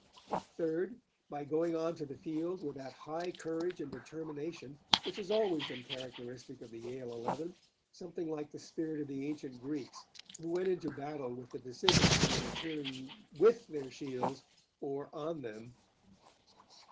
Third, by going on to the field with that high courage and determination which has always been characteristic of the Yale eleven, something like the spirit of the ancient Greeks who went into battle with the decision to return with their shields or on them.